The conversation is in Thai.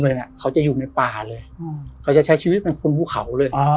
สมัยก่อนเค้าใช้ชีวิตเค้าจะใช้ชีวิตเป็นคนพูเขา